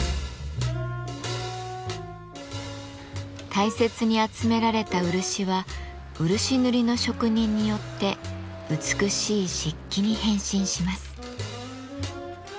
大切に集められた漆は漆塗りの職人によって美しい漆器に変身します。